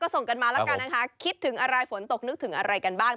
ส่งกันมาแล้วกันนะคะคิดถึงอะไรฝนตกนึกถึงอะไรกันบ้าง